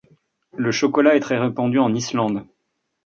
Le chocolat est très répandu en Islande.